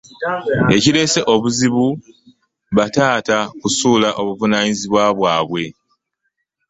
Ekireese obuzibu bataata kusuula buvunaanyizibwa bwabwe.